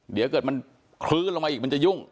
เดี๋ยวเกิดมันคลื้นลงมาอีกมันจะยุ่ง